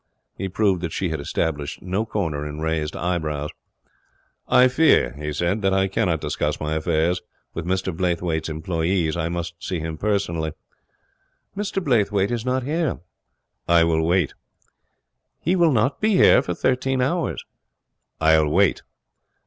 He proved that she had established no corner in raised eyebrows. 'I fear,' he said, 'that I cannot discuss my affairs with Mr Blaythwayt's employees. I must see him personally.' 'Mr Blaythwayt is not here.' 'I will wait.' 'He will not be here for thirteen hours.' I'll wait.'